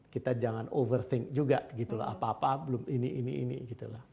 kita jangan over think juga gitu lah apa apa belum ini ini ini gitu loh